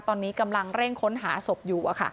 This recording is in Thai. ตอนนี้กำลังเร่งค้นหาศพอยู่